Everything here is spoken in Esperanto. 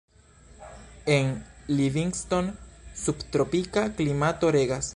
En Livingstone subtropika klimato regas.